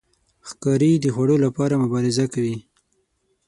ښکاري د خوړو لپاره مبارزه کوي.